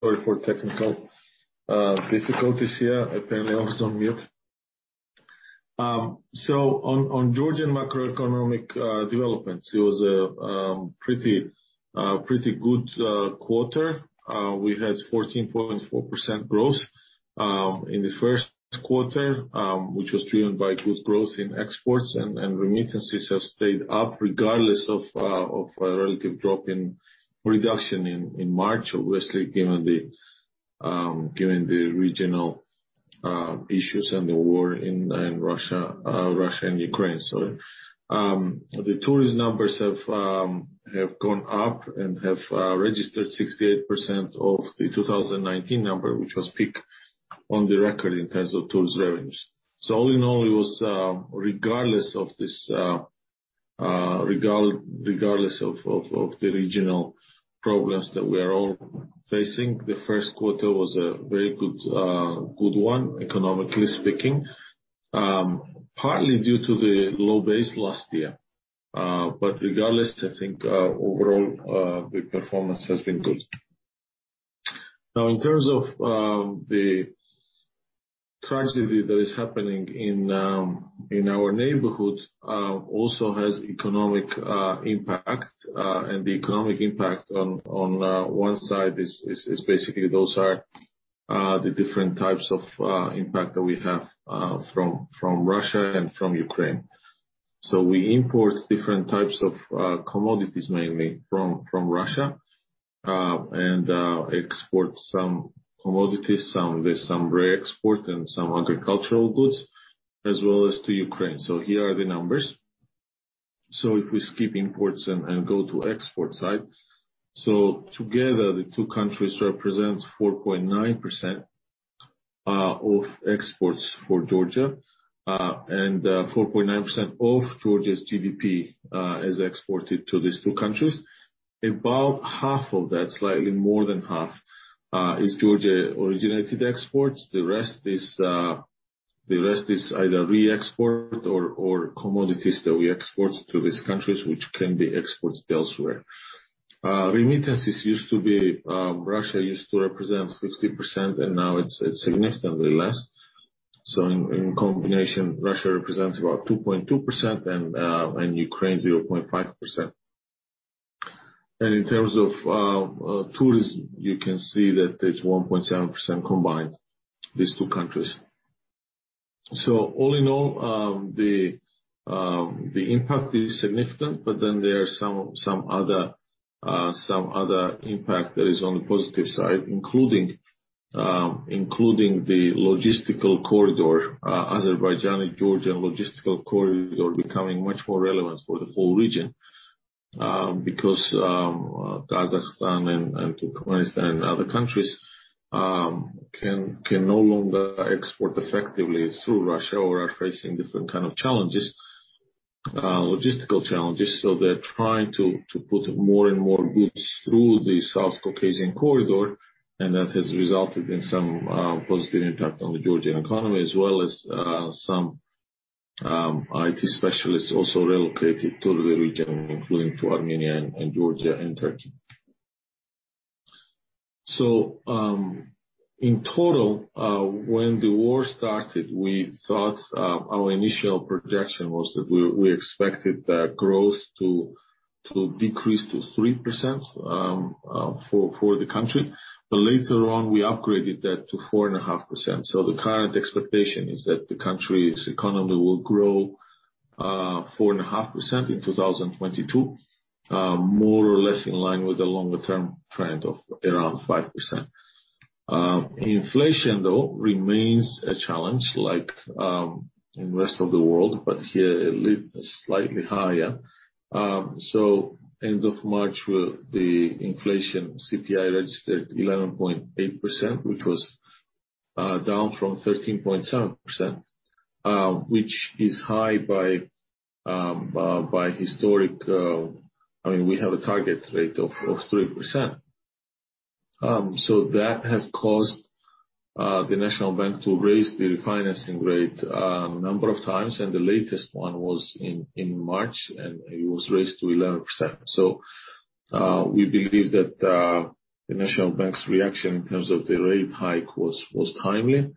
Sorry for technical difficulties here. Apparently I was on mute. On Georgian macroeconomic developments, it was pretty good quarter. We had 14.4% growth in the Q1, which was driven by good growth in exports and remittances have stayed up regardless of a relative drop in March, obviously, given the regional issues and the war in Russia and Ukraine. The tourist numbers have gone up and have registered 68% of the 2019 number, which was peak on the record in terms of tourist earnings. All in all, it was regardless of this regardless of the regional pressures that we are all facing. The Q1 was a very good one, economically speaking, partly due to the low base last year. Regardless, I think overall the performance has been good. Now, in terms of the tragedy that is happening in our neighborhood, it also has economic impact. The economic impact on one side is basically those are the different types of impact that we have from Russia and from Ukraine. We import different types of commodities, mainly from Russia, and export some commodities, some re-export and some agricultural goods as well as to Ukraine. Here are the numbers. If we skip imports and go to export side. Together the two countries represent 4.9% of exports for Georgia, and 4.9% of Georgia's GDP is exported to these two countries. About half of that, slightly more than half, is Georgia-originated exports. The rest is either re-export or commodities that we export to these two countries which can be exported elsewhere. Remittances used to be, Russia used to represent 50%, and now it's significantly less. In combination, Russia represents about 2.2% and Ukraine 0.5%. In terms of tourism, you can see that there's 1.7% combined, these two countries. All in all, the impact is significant. There are some other impact that is on the positive side, including the logistical corridor, Azerbaijani-Georgian logistical corridor becoming much more relevant for the whole region, because Kazakhstan and Turkmenistan and other countries can no longer export effectively through Russia or are facing different kind of challenges, logistical challenges. They are trying to put more and more goods through the South Caucasian corridor, and that has resulted in some positive impact on the Georgian economy, as well as some IT specialists also relocated to the region, including to Armenia and Georgia and Turkey. In total, when the war started, we thought our initial projection was that we expected the growth to decrease to 3%, for the country. Later on, we upgraded that to 4.5%. The current expectation is that the country's economy will grow 4.5% in 2022, more or less in line with the longer term trend of around 5%. Inflation, though, remains a challenge like in the rest of the world, but here slightly higher. End of March, the inflation CPI registered 11.8%, which was down from 13.7%, which is high by historic. I mean, we have a target rate of 3%. That has caused the National Bank to raise the refinancing rate number of times, and the latest one was in March, and it was raised to 11%. We believe that the National Bank of Georgia's reaction in terms of the rate hike was timely.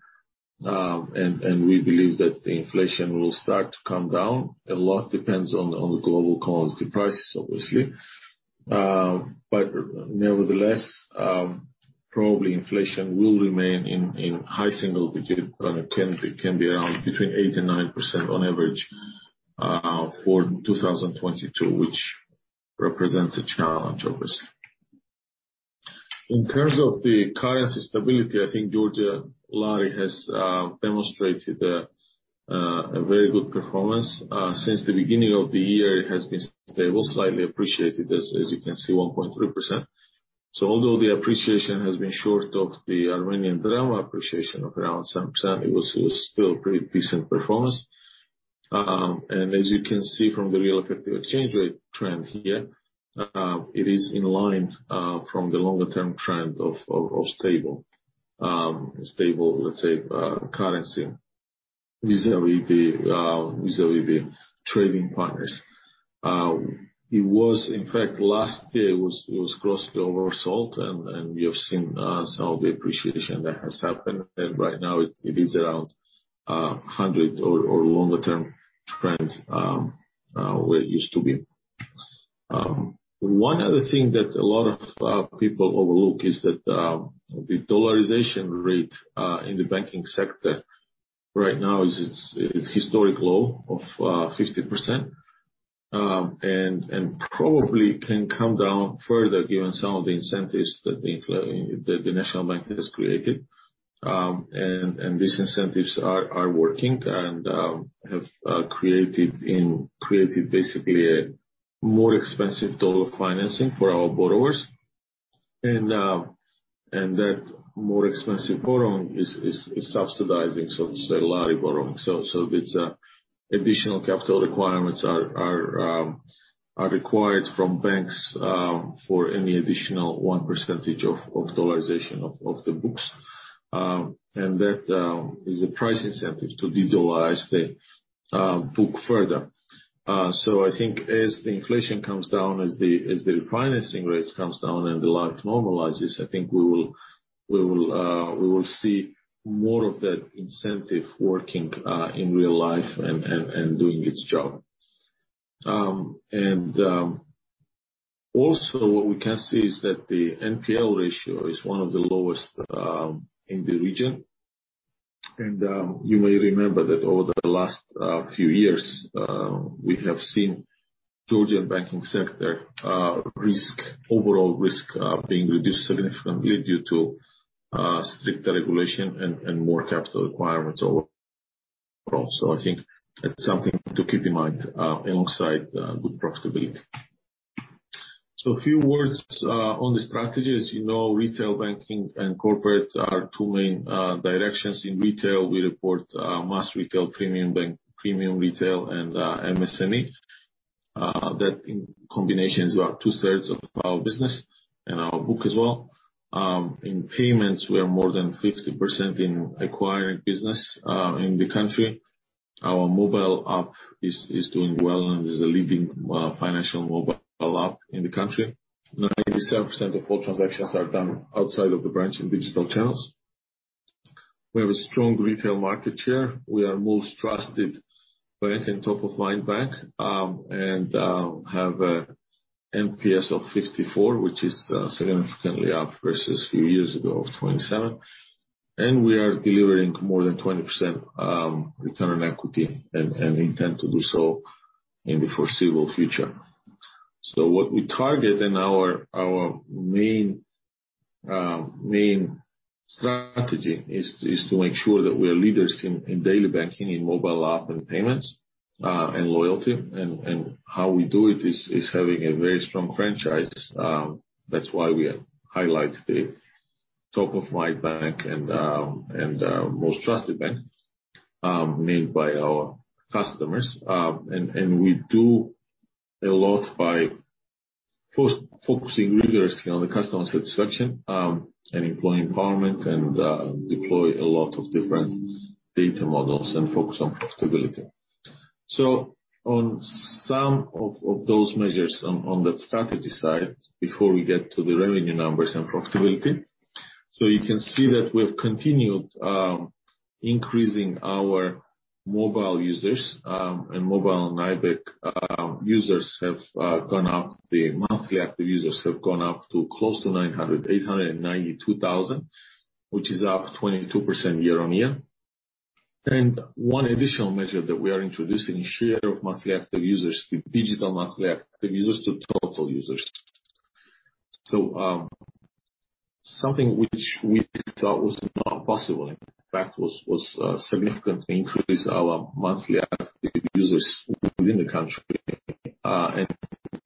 We believe that the inflation will start to come down. A lot depends on the global commodity prices, obviously. Nevertheless, probably inflation will remain in high single digits, and it can be around between 8% and 9% on average for 2022, which represents a challenge, obviously. In terms of the currency stability, I think the Georgian lari has demonstrated a very good performance. Since the beginning of the year, it has been stable, slightly appreciated, as you can see, 1.3%. Although the appreciation has been short of the Armenian dram appreciation of around some percent, it was still pretty decent performance. As you can see from the real effective exchange rate trend here, it is in line from the longer term trend of stable, let's say, currency vis-a-vis the trading partners. It was in fact, last year it was grossly oversold, and we have seen some of the appreciation that has happened. Right now it is around 100 or longer term trend where it used to be. One other thing that a lot of people overlook is that, the dollarization rate in the banking sector right now is its historic low of 50%. And probably can come down further given some of the incentives that the National Bank has created. These incentives are working and have created basically a more expensive dollar financing for our borrowers. That more expensive borrowing is subsidizing, so to say, lari borrowing. If additional capital requirements are required from banks for any additional 1% of dollarization of the books. That is a price incentive to dedollarize the book further. I think as the inflation comes down, as the refinancing rates comes down and the lari normalizes, I think we will see more of that incentive working in real life and doing its job. Also what we can see is that the NPL ratio is one of the lowest in the region. You may remember that over the last few years we have seen Georgian banking sector overall risk being reduced significantly due to stricter regulation and more capital requirements overall. I think that's something to keep in mind alongside good profitability. A few words on the strategy. As you know, retail banking and corporate are two main directions. In retail, we report mass retail, premium bank, premium retail and MSME. That in combination is about two-thirds of our business and our book as well. In payments, we are more than 50% in acquiring business in the country. Our mobile app is doing well and is a leading financial mobile app in the country. 97% of all transactions are done outside of the branch in digital channels. We have a strong retail market share. We are most trusted bank and top of mind bank, have a NPS of 54, which is significantly up versus a few years ago of 27. We are delivering more than 20% return on equity and intend to do so in the foreseeable future. What we target and our main strategy is to make sure that we are leaders in daily banking, in mobile app and payments, and loyalty. How we do it is having a very strong franchise. That's why we highlight the top of mind bank and most trusted bank made by our customers. We do a lot by first focusing rigorously on the customer satisfaction, and employee empowerment and deploy a lot of different data models and focus on profitability. On some of those measures on the strategy side before we get to the revenue numbers and profitability. You can see that we've continued increasing our mobile users, and mBank users have gone up. The monthly active users have gone up to close to 892,000, which is up 22% year-on-year. One additional measure that we are introducing, share of monthly active users, the digital monthly active users to total users. Something which we thought was not possible, in fact, was to significantly increase our monthly active users within the country.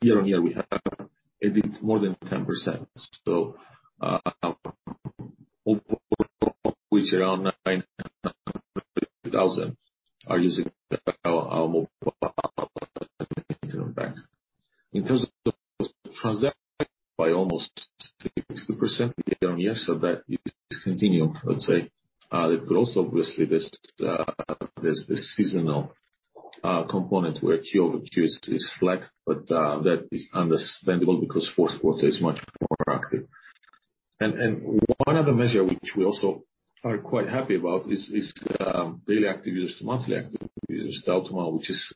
Year-over-year, we have added more than 10%. Of which around 900,000 are using our mobile internet bank. In terms of transactions by almost 60% year-over-year, that is continuing, let's say. The growth, obviously, there is the seasonal component where quarter-over-quarter is flat, but that is understandable because Q4 is much more active. One other measure which we also are quite happy about is daily active users to monthly active users, DAU to MAU, which is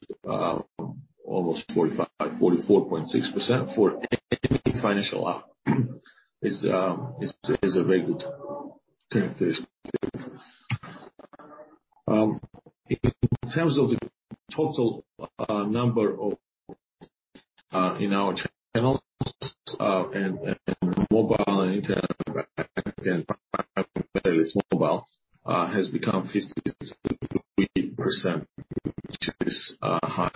almost 45, 44.6% for any financial app is a very good characteristic. In terms of the total number of in our channels and mobile and internet bank and primarily it's mobile has become 53%, which is high.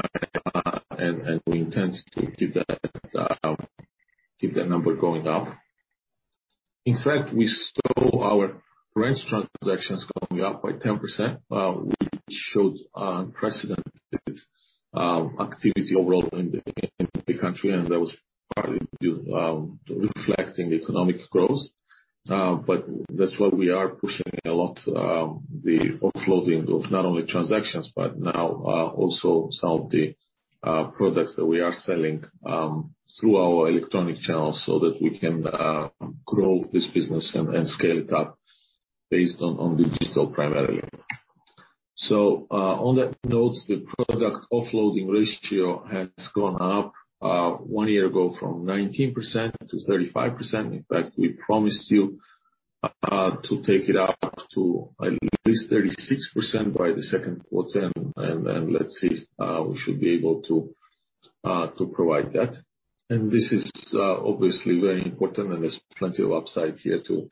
We intend to keep that number going up. In fact, we saw our branch transactions going up by 10%, which shows unprecedented activity overall in the country, and that was partly due to reflecting the economic growth. That's why we are pushing a lot the offloading of not only transactions but now also some of the products that we are selling through our electronic channels so that we can grow this business and scale it up based on digital primarily. On that note, the product offloading ratio has gone up one year ago from 19%-35%. In fact, we promised you to take it up to at least 36% by the Q2, and let's see if we should be able to provide that. This is obviously very important, and there's plenty of upside here to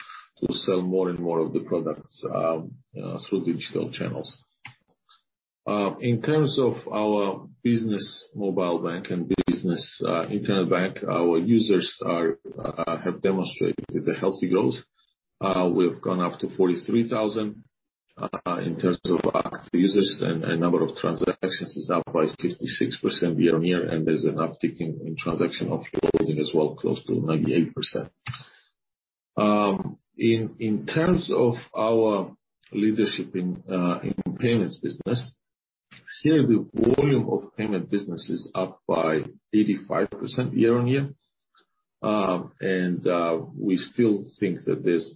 sell more and more of the products through digital channels. In terms of our business mobile bank and business internet bank, our users have demonstrated a healthy growth. We've gone up to 43,000 in terms of active users, and a number of transactions is up by 56% year-on-year, and there's an uptick in transaction offloading as well, close to 98%. In terms of our leadership in payments business, here the volume of payment business is up by 85% year-on-year. We still think that there's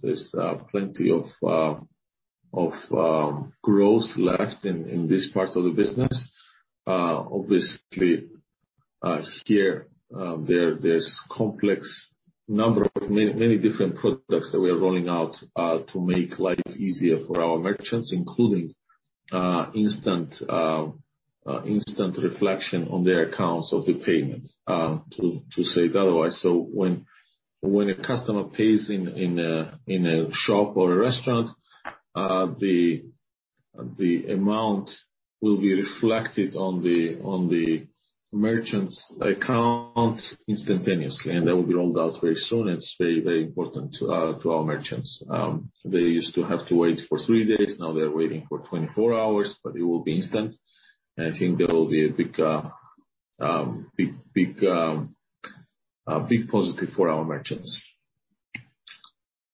plenty of growth left in this part of the business. Obviously, there is a number of many different products that we are rolling out to make life easier for our merchants, including instant reflection on their accounts of the payments, to say it otherwise. When a customer pays in a shop or a restaurant, the amount will be reflected on the merchant's account instantaneously, and that will be rolled out very soon. It's very important to our merchants. They used to have to wait for three days. Now they're waiting for 24 hours, but it will be instant. I think that will be a big positive for our merchants.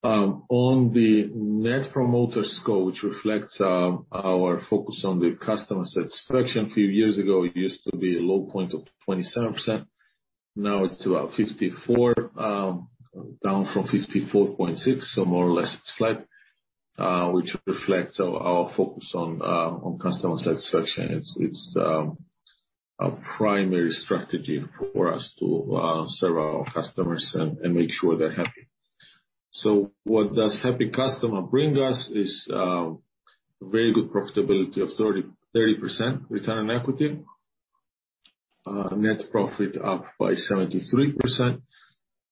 On the Net Promoter Score, which reflects our focus on the customer satisfaction, a few years ago, it used to be a low point of 27%. Now it's about 54, down from 54.6, so more or less it's flat, which reflects our focus on customer satisfaction. It's a primary strategy for us to serve our customers and make sure they're happy. What does happy customer bring us is very good profitability of 30% return on equity. Net profit up by 73%.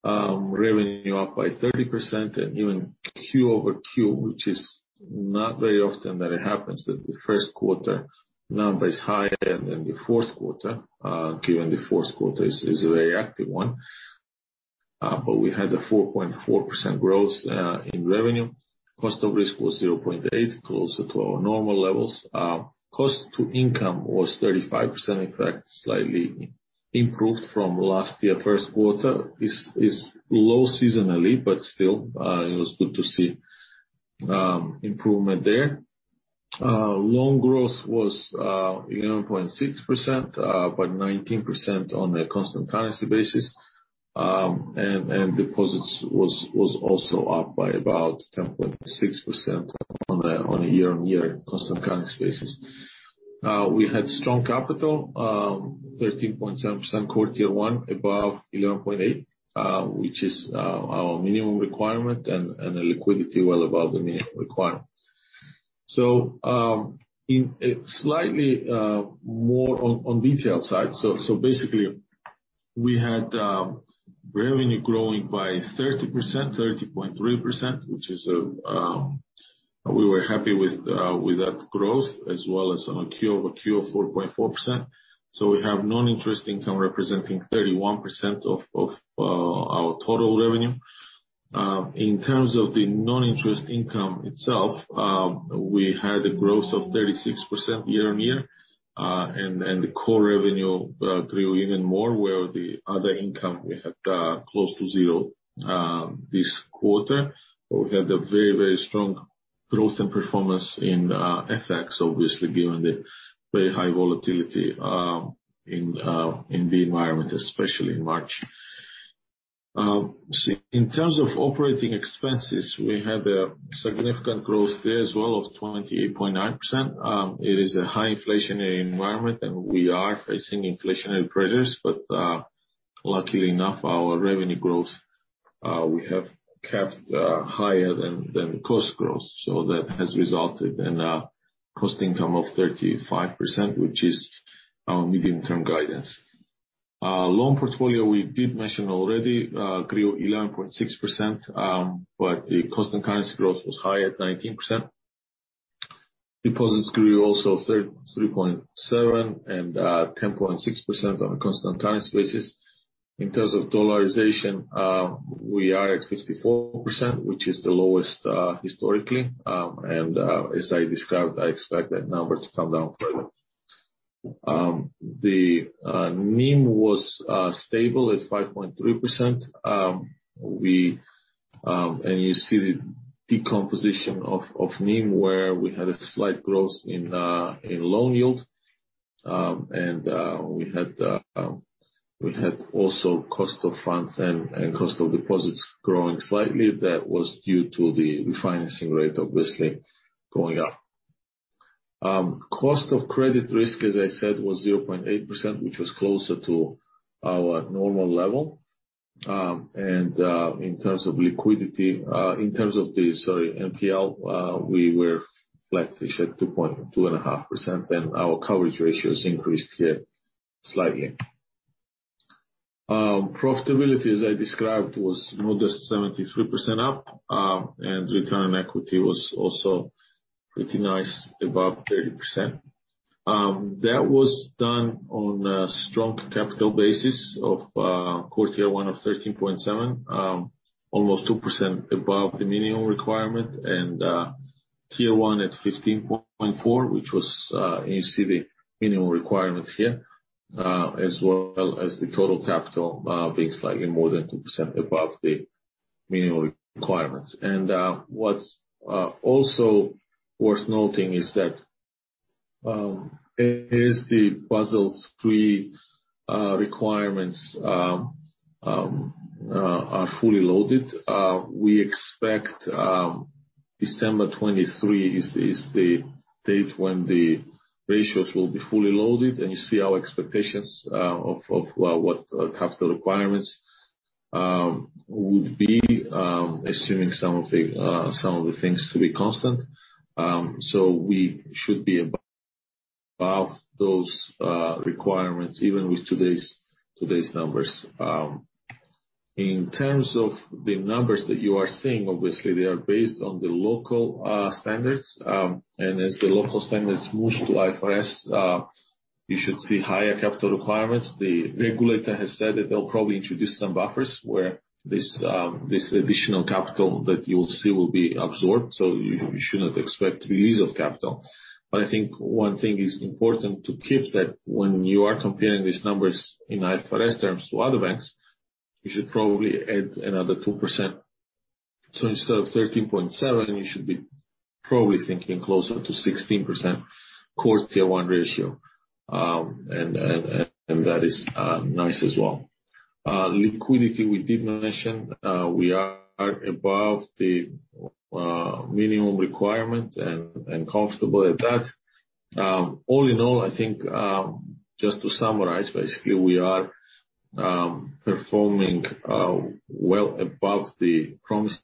Revenue up by 30%. Even quarter-over-quarter, which is not very often that it happens, that the Q1 number is higher than the Q4, given the Q4 is a very active one. We had a 4.4% growth in revenue. Cost of risk was 0.8%, closer to our normal levels. Cost to income was 35%. In fact, slightly improved from last year Q1. It is low seasonally, but still, it was good to see improvement there. Loan growth was 11.6%, but 19% on a constant currency basis. Deposits was also up by about 10.6% on a year-on-year constant currency basis. We had strong capital, 13.7% core Tier 1, above 11.8%, which is our minimum requirement and a liquidity well above the minimum requirement. In slightly more on the detail side. Basically we had revenue growing by 30%, 30.3%, which we were happy with that growth as well as on a Q-over-Q of 4.4%. We have non-interest income representing 31% of our total revenue. In terms of the non-interest income itself, we had a growth of 36% year-on-year and the core revenue grew even more, where the other income we had close to zero this quarter. We had a very, very strong growth and performance in FX, obviously given the very high volatility in the environment, especially in March. In terms of operating expenses, we had a significant growth there as well of 28.9%. It is a high inflationary environment, and we are facing inflationary pressures. Luckily enough, our revenue growth we have kept higher than cost growth. That has resulted in a cost income of 35%, which is our medium-term guidance. Loan portfolio we did mention already grew 11.6%, but the constant currency growth was higher at 19%. Deposits grew also 3.7 and 10.6% on a constant currency basis. In terms of dollarization, we are at 54%, which is the lowest historically. As I described, I expect that number to come down further. The NIM was stable at 5.3%. You see the decomposition of NIM where we had a slight growth in loan yield. We had also cost of funds and cost of deposits growing slightly. That was due to the refinancing rate obviously going up. Cost of risk, as I said, was 0.8%, which was closer to our normal level. In terms of NPL, we were flat-ish at 2.5%, and our coverage ratios increased here slightly. Profitability, as I described, was modest, 73% up. Return on equity was also pretty nice, above 30%. That was done on a strong capital basis of core Tier 1 of 13.7, almost 2% above the minimum requirement. Tier 1 at 15.4, which was, you see the minimum requirements here, as well as the total capital being slightly more than 2% above the minimum requirements. What's also worth noting is that as the Basel III requirements are fully loaded, we expect December 2023 is the date when the ratios will be fully loaded. You see our expectations of well what capital requirements would be, assuming some of the things to be constant. We should be above those requirements even with today's numbers. In terms of the numbers that you are seeing, obviously they are based on the local standards. As the local standards move to IFRS, you should see higher capital requirements. The regulator has said that they'll probably introduce some buffers, where this additional capital that you will see will be absorbed, so you should not expect release of capital. I think one thing is important to keep that when you are comparing these numbers in IFRS terms to other banks, you should probably add another 2%. Instead of 13.7, you should be probably thinking closer to 16% core Tier 1 ratio. And that is nice as well. Liquidity we did mention. We are above the minimum requirement and comfortable at that. All in all, I think, just to summarize, basically we are performing well above the promises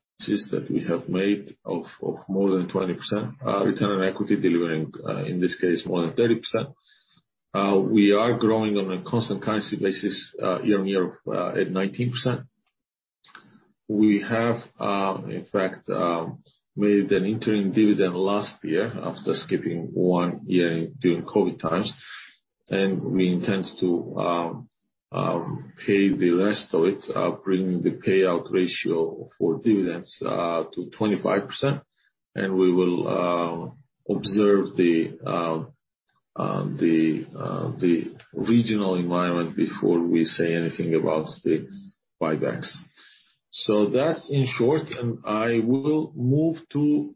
that we have made of more than 20% return on equity, delivering in this case more than 30%. We are growing on a constant currency basis year-on-year at 19%. We have in fact made an interim dividend last year after skipping one year during COVID times. We intend to pay the rest of it, bringing the payout ratio for dividends to 25%. We will observe the regional environment before we say anything about the buybacks. That's in short, and I will move to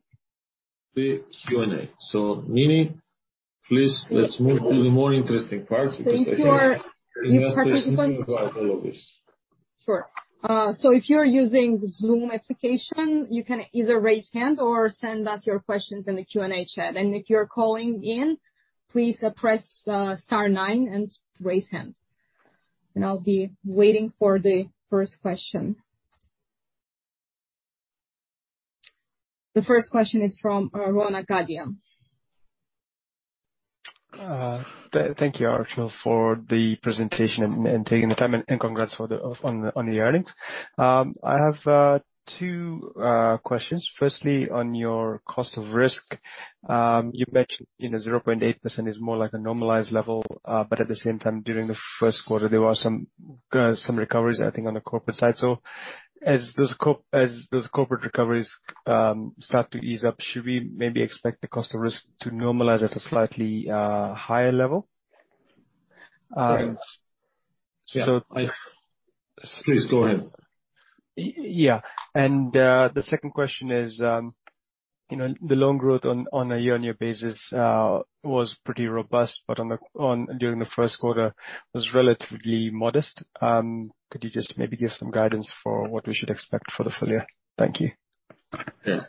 the Q&A. Nini, please let's move to the more interesting part because I think. If you are. You participate. go through all this. Sure. So if you're using Zoom application, you can either raise hand or send us your questions in the Q&A chat. If you're calling in, please, press star nine and raise hand. I'll be waiting for the first question. The first question is from Ronak Gadhia. Thank you, Archil, for the presentation and taking the time, and congrats on the earnings. I have two questions. Firstly, on your cost of risk, you mentioned, you know, 0.8% is more like a normalized level, but at the same time, during the Q1, there were some recoveries, I think, on the corporate side. As those corporate recoveries start to ease up, should we maybe expect the cost of risk to normalize at a slightly higher level? Yes. Yeah. So- Please go ahead. Yeah. The second question is, you know, the loan growth on a year-on-year basis was pretty robust, but during the Q1 was relatively modest. Could you just maybe give some guidance for what we should expect for the full year? Thank you. Yes.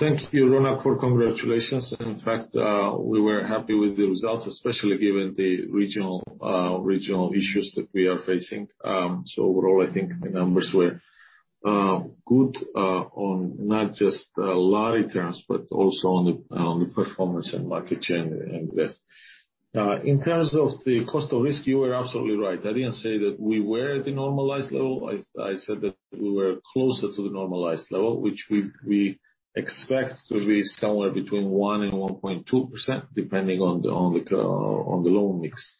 Thank you, Ronak, for congratulations. In fact, we were happy with the results, especially given the regional issues that we are facing. Overall, I think the numbers were good on not just the bottom-line returns, but also on the performance and market share and the rest. In terms of the cost of risk, you are absolutely right. I didn't say that we were at the normalized level. I said that we were closer to the normalized level, which we expect to be somewhere between 1% and 1.2%, depending on the loan mix.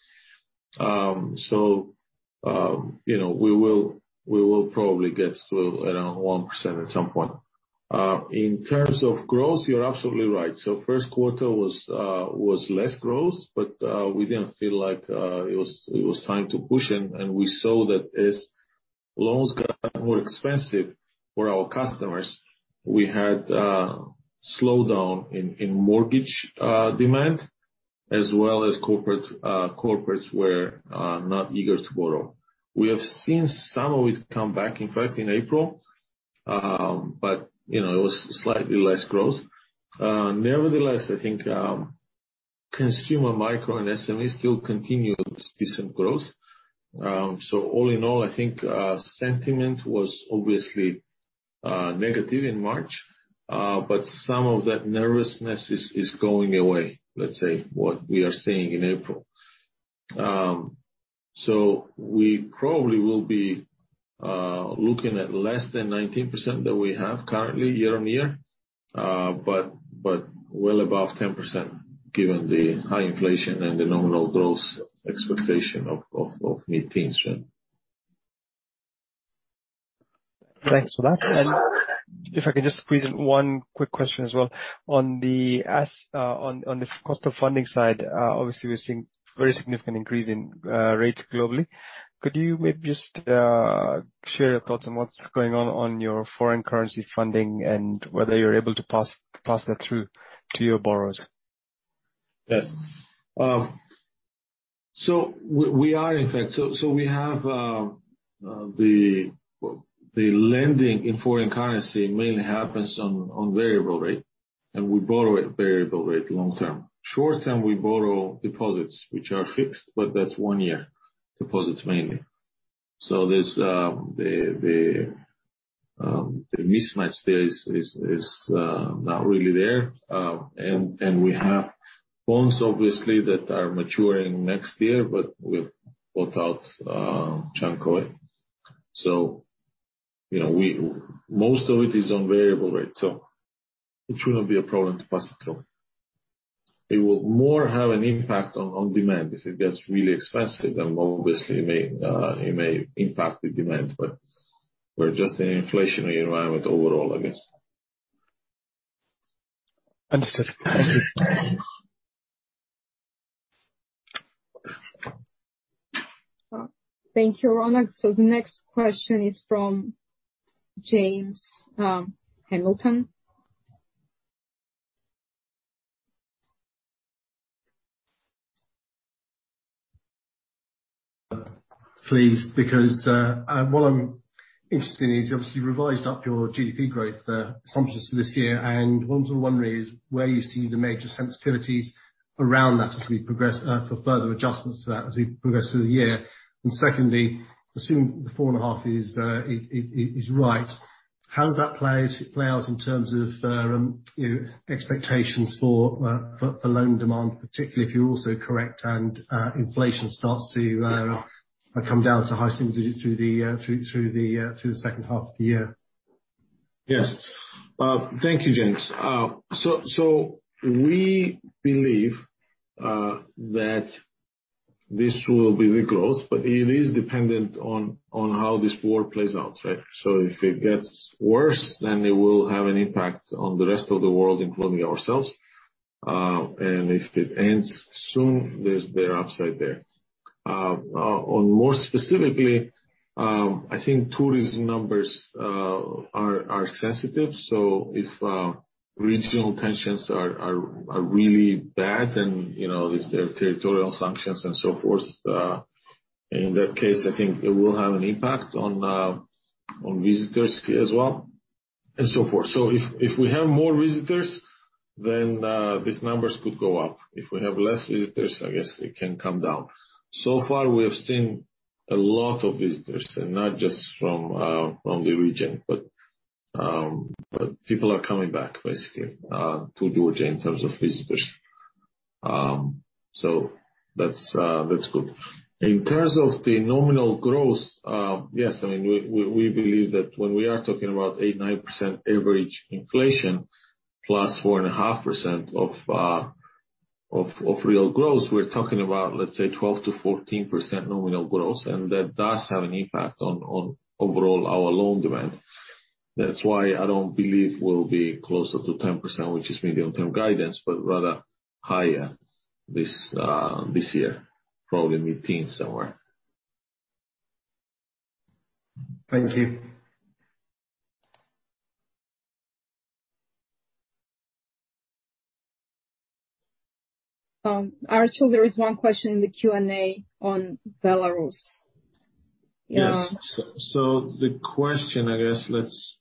You know, we will probably get to around 1% at some point. In terms of growth, you're absolutely right. Q1 was less growth, but we didn't feel like it was time to push, and we saw that as loans got more expensive for our customers, we had slowdown in mortgage demand as well as corporates were not eager to borrow. We have seen some of it come back in fact in April, but you know, it was slightly less growth. Nevertheless, I think consumer micro and SME still continued decent growth. All in all, I think sentiment was obviously negative in March, but some of that nervousness is going away, let's say, what we are seeing in April. We probably will be looking at less than 19% that we have currently year-on-year, but well above 10% given the high inflation and the nominal growth expectation of mid-teens. Thanks for that. If I can just squeeze in one quick question as well. On the cost of funding side, obviously, we're seeing very significant increase in rates globally. Could you maybe just share your thoughts on what's going on on your foreign currency funding and whether you're able to pass that through to your borrowers? Yes. We are in fact. We have the lending in foreign currency mainly happens on variable rate, and we borrow at variable rate long term. Short term, we borrow deposits, which are fixed, but that's one year, deposits mainly. The mismatch there is not really there. We have bonds obviously that are maturing next year, but we've bought out a chunk of it. You know, most of it is on variable rate, so it shouldn't be a problem to pass it through. It will more have an impact on demand if it gets really expensive, then obviously it may impact the demand. But we're just in an inflationary environment overall, I guess. Understood. Thank you. Thank you, Ronak Gadhia. The next question is from James Hamilton. Please, because what I'm interested in is you obviously revised up your GDP growth assumptions for this year. What I'm wondering is where you see the major sensitivities around that as we progress for further adjustments to that as we progress through the year. Secondly, assuming the 4.5 is right, how does that play out in terms of, you know, expectations for loan demand, particularly if you're also correct and inflation starts to come down to high single digits through the second half of the year? Yes. Thank you, James. We believe that this will be the growth, but it is dependent on how this war plays out, right? If it gets worse, then it will have an impact on the rest of the world, including ourselves. And if it ends soon, there's upside there. More specifically, I think tourism numbers are sensitive. If regional tensions are really bad and, you know, if there are territorial sanctions and so forth, in that case, I think it will have an impact on visitors here as well and so forth. If we have more visitors then, these numbers could go up. If we have less visitors, I guess it can come down. So far, we have seen a lot of visitors, and not just from the region, but people are coming back, basically, to Georgia in terms of visitors. That's good. In terms of the nominal growth, yes, I mean, we believe that when we are talking about 8-9% average inflation plus 4.5% of real growth, we're talking about, let's say, 12%-14% nominal growth, and that does have an impact on overall our loan demand. That's why I don't believe we'll be closer to 10%, which is medium-term guidance, but rather higher this year, probably mid-teens somewhere. Thank you. Archil, there is one question in the Q&A on Belarus. Yeah. Yes. The question, I guess.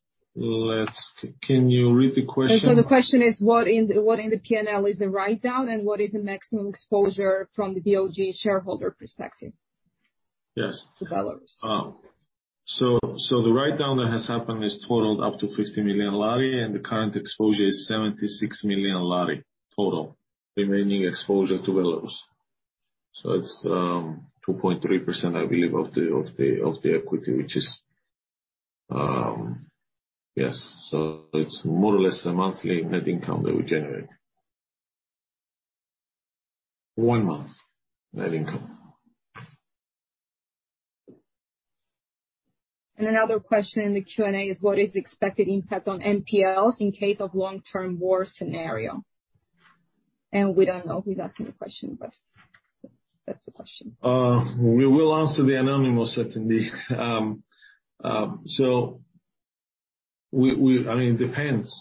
Can you read the question? The question is what in the P&L is a write down and what is the maximum exposure from the BOG shareholder perspective. Yes to Belarus. The write-down that has happened is totaled up to GEL 50 million, and the current exposure is GEL 76 million total, remaining exposure to Belarus. It's 2.3% I believe of the equity. It's more or less a monthly net income that we generate. One month net income. Another question in the Q&A is what is the expected impact on NPLs in case of long-term war scenario? We don't know who's asking the question, but that's the question. We will answer the anonymous certainly. I mean, it depends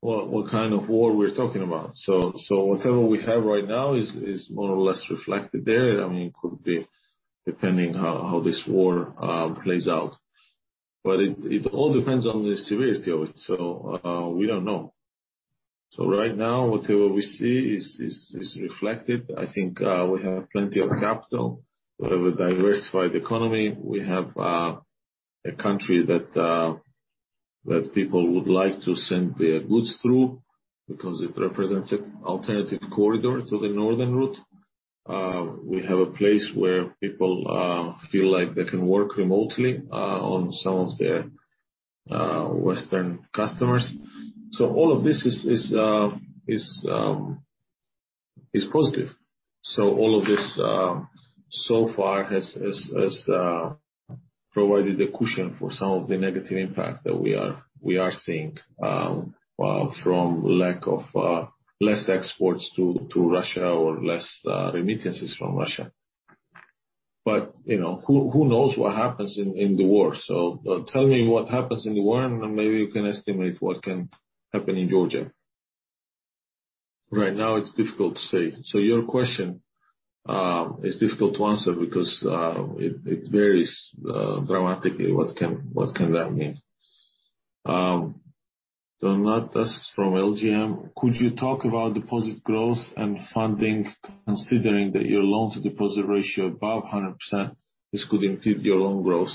what kind of war we're talking about. Whatever we have right now is more or less reflected there. I mean, it could be depending how this war plays out. It all depends on the severity of it. We don't know. Right now, whatever we see is reflected. I think we have plenty of capital with a diversified economy. We have a country that people would like to send their goods through because it represents an alternative corridor to the northern route. We have a place where people feel like they can work remotely on some of their Western customers. All of this is positive. All of this so far has provided a cushion for some of the negative impact that we are seeing from lack of less exports to Russia or less remittances from Russia. You know, who knows what happens in the war? Tell me what happens in the war, and then maybe you can estimate what can happen in Georgia. Right now it's difficult to say. Your question is difficult to answer because it varies dramatically what can that mean. Not just from LGM, could you talk about deposit growth and funding considering that your loan to deposit ratio above 100%, this could impede your loan growth?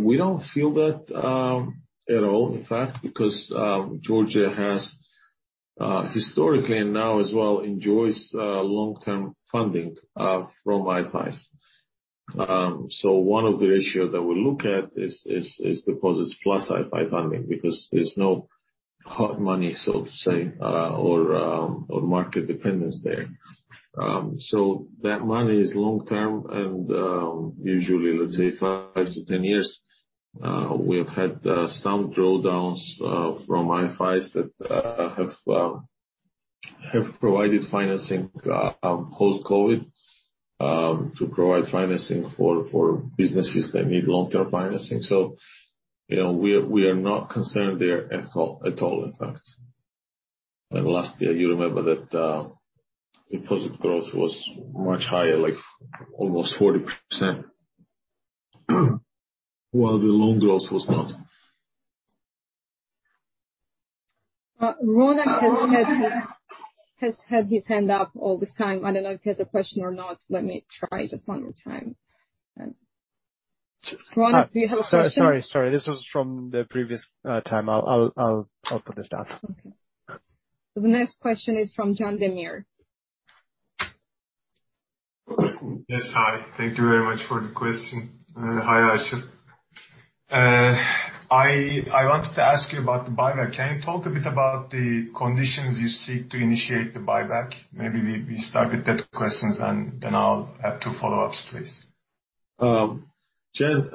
We don't feel that at all, in fact, because Georgia has historically and now as well enjoys long-term funding from IFIs. One of the ratio that we look at is deposits plus IFI funding because there's no hard money, so to say, or market dependence there. That money is long-term and usually, let's say five to ten years. We have had some drawdowns from IFIs that have provided financing post-COVID to provide financing for businesses that need long-term financing. You know, we are not concerned there at all, in fact. Last year, you remember that deposit growth was much higher, like almost 40%, while the loan growth was not. Ronak has had his hand up all this time. I don't know if he has a question or not. Let me try just one more time. Ronak, do you have a question? Sorry. This was from the previous time. I'll put this down. Okay. The next question is from Can Ozguzel. Yes. Hi. Thank you very much for the question. Hi, Archil. I wanted to ask you about the buyback. Can you talk a bit about the conditions you seek to initiate the buyback? Maybe we start with that question, and then I'll have two follow-ups, please. Can,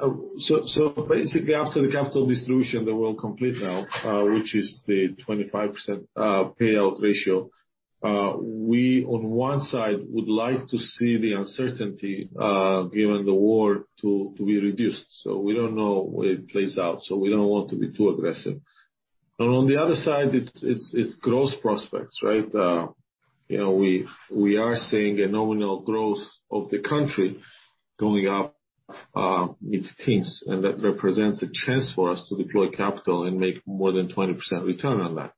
basically after the capital distribution that we'll complete now, which is the 25% payout ratio, we on one side would like to see the uncertainty given the war to be reduced. We don't know where it plays out, we don't want to be too aggressive. On the other side, it's growth prospects, right? You know, we are seeing a nominal growth of the country going up, mid-teens%, and that represents a chance for us to deploy capital and make more than 20% return on that.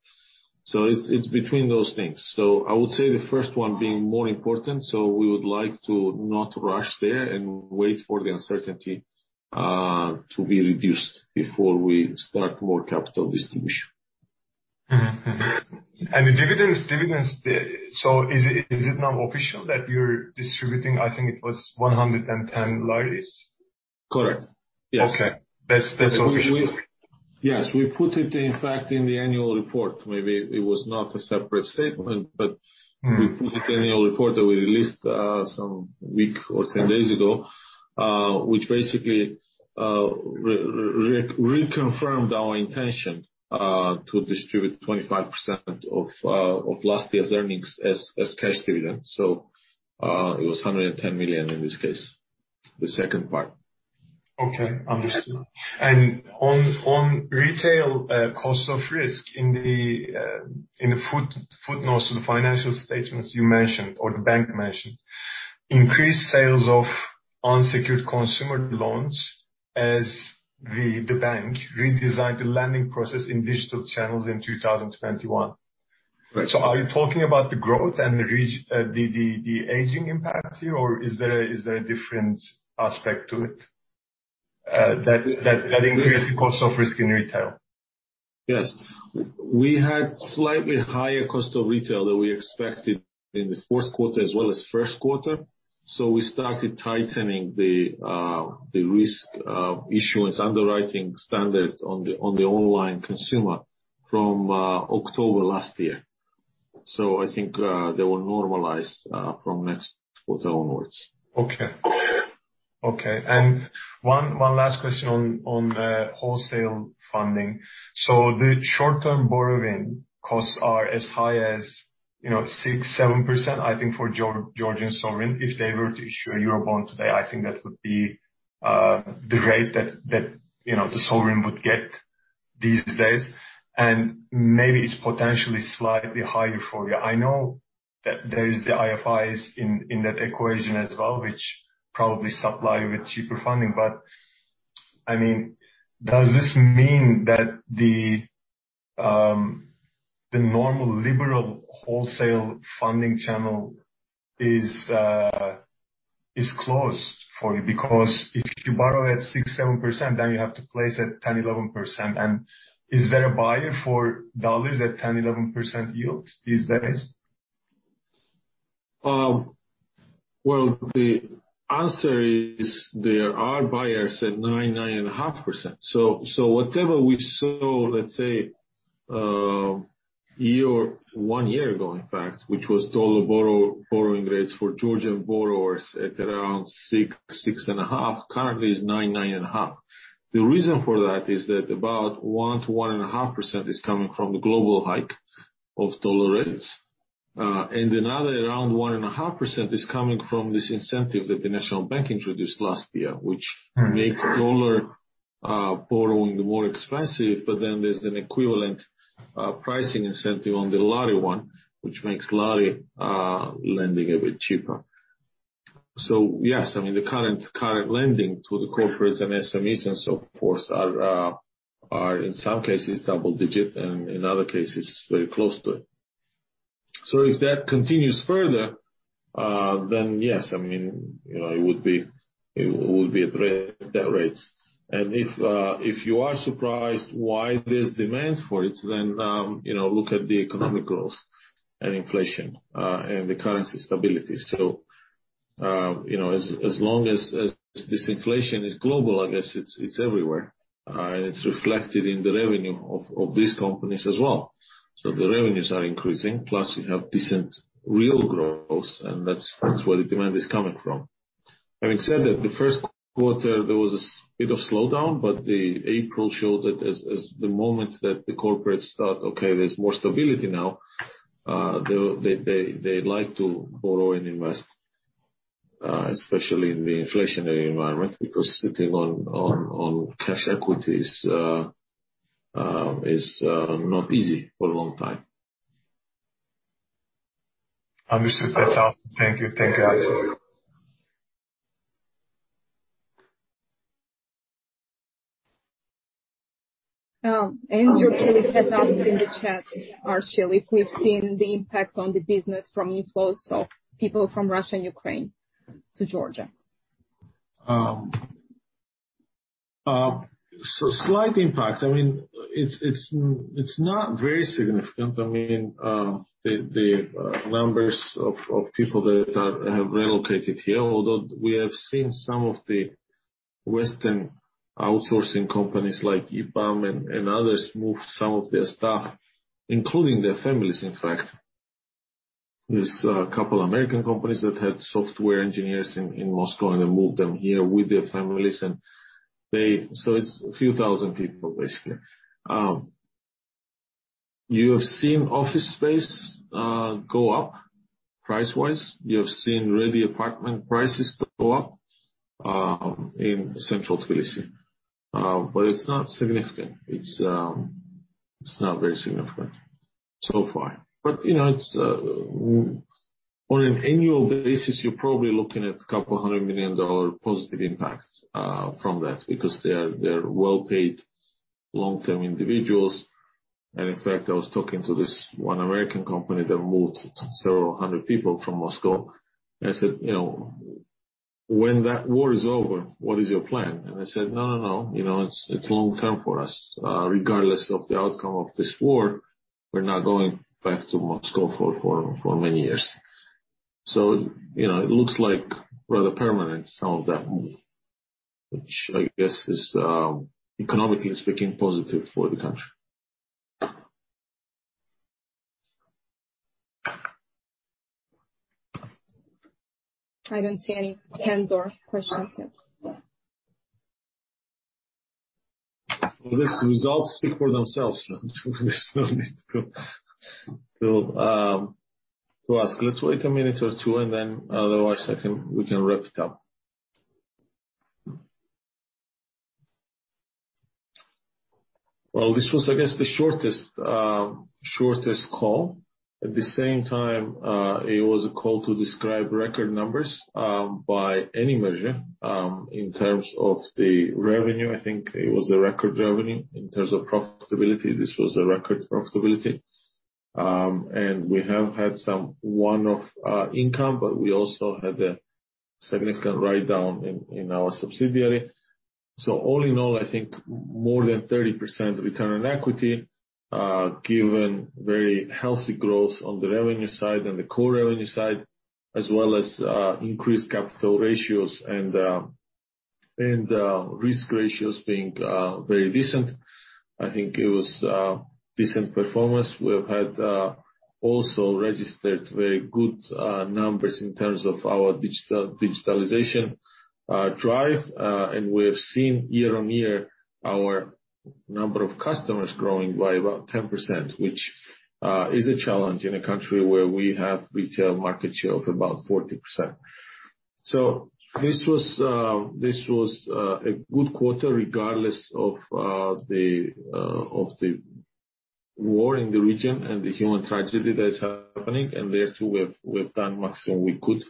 It's between those things. I would say the first one being more important, we would like to not rush there and wait for the uncertainty to be reduced before we start more capital distribution. The dividends. Is it now official that you're distributing, I think it was GEL 110? Correct. Yes. Okay. That's official. Yes. We put it, in fact, in the annual report. Maybe it was not a separate statement. Mm-hmm. We put it in the annual report that we released some week or 10 days ago, which basically reconfirmed our intention to distribute 25% of last year's earnings as cash dividends. It was GEL 110 million in this case, the second part. Okay. Understood. On retail, cost of risk in the footnotes to the financial statements you mentioned or the bank mentioned, increased sales of unsecured consumer loans as the bank redesigned the lending process in digital channels in 2021. Right. Are you talking about the growth and the aging impact here or is there a different aspect to it that increased the cost of risk in retail? Yes. We had slightly higher cost of retail than we expected in the Q4 as well as Q1. We started tightening the risk issuance underwriting standards on the online consumer from October last year. I think they will normalize from next quarter onwards. Okay. One last question on wholesale funding. The short-term borrowing costs are as high as, you know, 6%-7%, I think, for Georgian sovereign. If they were to issue a Eurobond today, I think that would be the rate that you know, the sovereign would get these days. Maybe it's potentially slightly higher for you. I know that there is the IFIs in that equation as well, which probably supply you with cheaper funding. I mean, does this mean that the normal bilateral wholesale funding channel is closed for you? Because if you borrow at 6%-7%, then you have to place at 10%-11%. Is there a buyer for dollars at 10%-11% yields these days? Well, the answer is there are buyers at 9%-9.5%. Whatever we saw, let's say, one year ago, in fact, which was dollar borrowing rates for Georgian borrowers at around 6%-6.5%, currently is 9%-9.5%. The reason for that is that about 1%-1.5% is coming from the global hike of dollar rates. And another around 1.5% is coming from this incentive that the National Bank of Georgia introduced last year, which makes dollar borrowing more expensive. There's an equivalent pricing incentive on the lari one, which makes lari lending a bit cheaper. Yes, I mean, the current lending to the corporates and SMEs and so forth are in some cases double-digit, and in other cases very close to it. If that continues further, then yes, I mean, you know, it would be at that rate. If you are surprised why there's demand for it, then, you know, look at the economic growth and inflation, and the currency stability. You know, as long as this inflation is global, I guess it's everywhere, and it's reflected in the revenue of these companies as well. The revenues are increasing, plus you have decent real growth, and that's where the demand is coming from. Having said that, the Q1 there was a bit of slowdown, but the April showed that as the moment that the corporates start, okay, there's more stability now, they'd like to borrow and invest, especially in the inflationary environment, because sitting on cash equities is not easy for a long time. Understood. That's all. Thank you. Andrew Kelly has asked in the chat, Archil, if we've seen the impact on the business from inflows of people from Russia and Ukraine to Georgia. Slight impact. I mean, it's not very significant. I mean, the numbers of people that have relocated here, although we have seen some of the Western outsourcing companies like EPAM and others move some of their staff, including their families, in fact. There's a couple American companies that had software engineers in Moscow, and they moved them here with their families. It's a few thousand people basically. You have seen office space go up price-wise. You have seen ready apartment prices go up in central Tbilisi. It's not significant. It's not very significant so far. You know, on an annual basis, you're probably looking at $200 million positive impact from that, because they're well-paid long-term individuals. In fact, I was talking to this one American company that moved several hundred people from Moscow. I said, "You know, when that war is over, what is your plan?" They said, "No, no. You know, it's long-term for us. Regardless of the outcome of this war, we're not going back to Moscow for many years." You know, it looks like rather permanent, some of that move. Which I guess is economically speaking positive for the country. I don't see any hands or questions. Yeah. Well, these results speak for themselves. There's no need to ask. Let's wait a minute or two, and then, otherwise I can. We can wrap it up. Well, this was, I guess, the shortest call. At the same time, it was a call to describe record numbers by any measure. In terms of the revenue, I think it was a record revenue. In terms of profitability, this was a record profitability. We have had some one-off income, but we also had a significant write-down in our subsidiary. All in all, I think more than 30% return on equity, given very healthy growth on the revenue side and the core revenue side, as well as increased capital ratios and risk ratios being very decent. I think it was a decent performance. We've had also registered very good numbers in terms of our digitalization drive. We have seen year-on-year, our number of customers growing by about 10%, which is a challenge in a country where we have retail market share of about 40%. This was a good quarter regardless of the war in the region and the human tragedy that is happening. There too, we've done maximum we could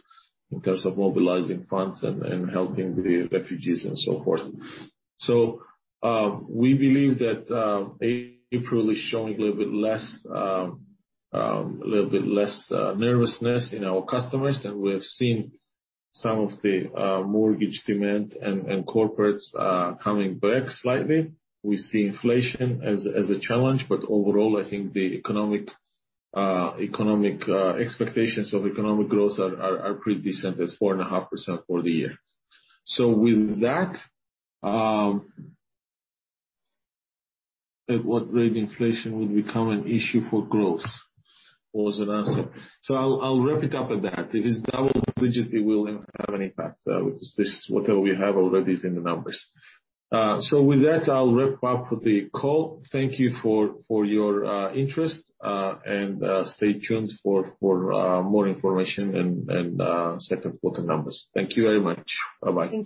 in terms of mobilizing funds and helping the refugees and so forth. We believe that April is showing a little bit less nervousness in our customers, and we have seen some of the mortgage demand and corporates coming back slightly. We see inflation as a challenge, but overall, I think the economic expectations of economic growth are pretty decent at 4.5% for the year. With that, at what rate inflation will become an issue for growth was an answer. I'll wrap it up at that. If it's double digits, it will have an impact, which is this, whatever we have already is in the numbers. With that, I'll wrap up the call. Thank you for your interest, and stay tuned for more information and Q2 numbers. Thank you very much. Bye-bye.